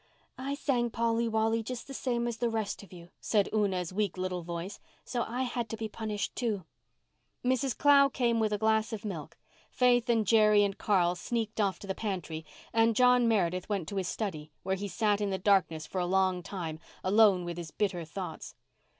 "I sang Polly Wolly just the same as the rest of you," said Una's weak little voice, "so I had to be punished, too." Mrs. Clow came with a glass of milk, Faith and Jerry and Carl sneaked off to the pantry, and John Meredith went into his study, where he sat in the darkness for a long time, alone with his bitter thoughts.